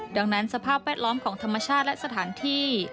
ดังนั้นสภาพแวดล้อมของธรรมชาติและสถานที่